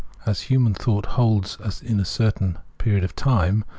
... As human thought holds in a certain period of time